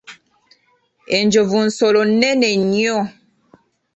Enjovu nsolo nnene nnyo.